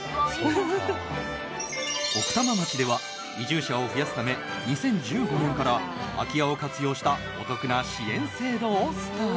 奥多摩町では移住者を増やすため２０１５年から空き家を活用したお得な支援制度をスタート。